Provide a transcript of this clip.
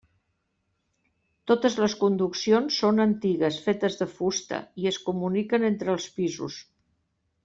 Totes les conduccions són antigues, fetes de fusta, i es comuniquen entre els pisos.